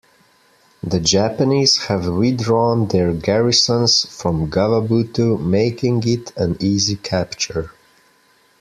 The Japanese have withdrawn their garrisons from Gavabutu, making it an easy capture.